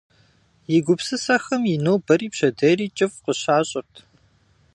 И гупсысэхэм и нобэри пщэдейри кӏыфӏ къыщащӏырт.